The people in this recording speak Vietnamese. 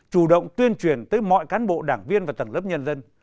chủ động tuyên truyền tới mọi cán bộ đảng viên và tầng lớp nhân dân